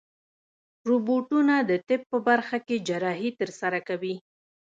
روبوټونه د طب په برخه کې جراحي ترسره کوي.